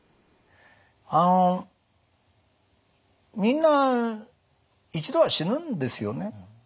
あのみんな一度は死ぬんですよね。